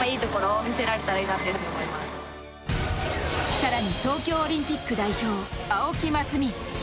更に、東京オリンピック代表青木益未。